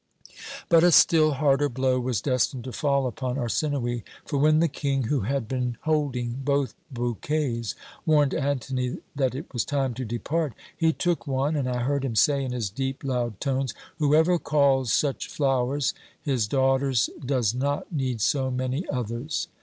"But a still harder blow was destined to fall upon Arsinoë; for when the King, who had been holding both bouquets, warned Antony that it was time to depart, he took one, and I heard him say in his deep, loud tones, 'Whoever calls such flowers his daughters does not need so many others.'